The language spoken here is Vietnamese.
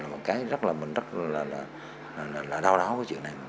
là một cái mình rất là đau đáo của chuyện này